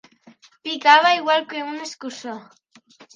Picava igual que un escurçó.